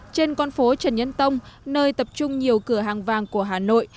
trên con phố trần nhân tông nơi tập trung nhiều cửa hàng vàng của hà nội